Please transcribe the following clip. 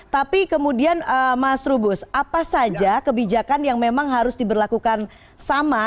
tapi kemudian mas trubus apa saja kebijakan yang memang harus diberlakukan sama